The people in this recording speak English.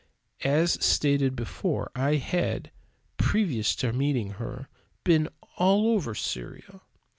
As stated before, I had, previous to meeting her, been all over Syria.